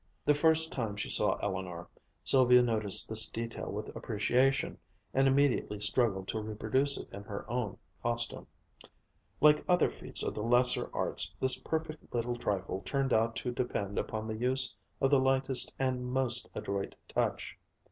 The first time she saw Eleanor, Sylvia noticed this detail with appreciation, and immediately struggled to reproduce it in her own costume. Like other feats of the lesser arts this perfect trifle turned out to depend upon the use of the lightest and most adroit touch.